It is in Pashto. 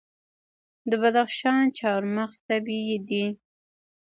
د بدخشان چهارمغز طبیعي دي.